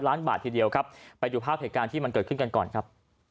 ล้านบาททีเดียวครับไปดูภาพเหตุการณ์ที่มันเกิดขึ้นกันก่อนครับ